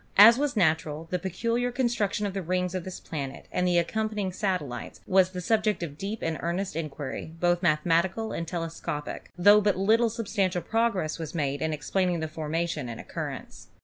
As was natural, the peculiar con struction of the rings of this planet and the accompany ing satellites was the subject of deep and earnest inquiry, both mathematical and telescopic, tho but little substantial progress was made in explaining the formation and oc currence.